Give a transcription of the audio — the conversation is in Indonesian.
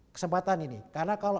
kesempatan ini karena keadaan ini